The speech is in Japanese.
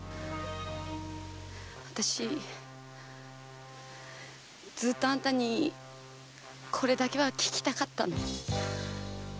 私ずとあんたにこれだけは聞きたかったの。